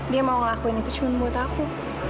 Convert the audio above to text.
dia mau ngelakuin itu cuma buat aku